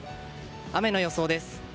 雨の予想です。